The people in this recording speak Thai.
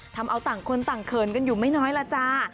ทำเอาต่างคนต่างเขินกันอยู่ไม่น้อยล่ะจ้า